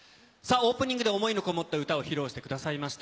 オープニングで想いのこもった歌を披露してくださいました。